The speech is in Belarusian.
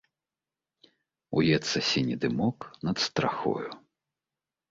Уецца сіні дымок над страхою.